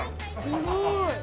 すごい。